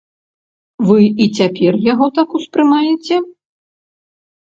Вы і цяпер яго так успрымаеце?